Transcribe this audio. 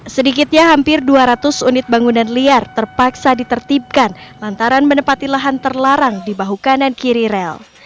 sedikitnya hampir dua ratus unit bangunan liar terpaksa ditertibkan lantaran menepati lahan terlarang di bahu kanan kiri rel